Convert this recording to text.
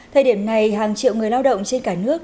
thời điểm này hàng triệu người lao động trên cả nước